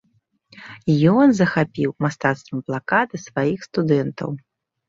Ен захапіў мастацтвам плаката сваіх студэнтаў.